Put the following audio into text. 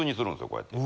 こうやって。